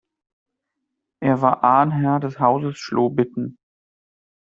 Er war Ahnherr des Hauses Schlobitten.